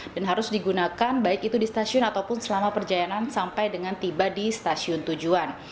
dan harus digunakan baik itu di stasiun ataupun selama perjalanan sampai dengan tiba di stasiun tujuan